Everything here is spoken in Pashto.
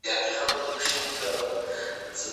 زه پرون مېوې وخوړله!!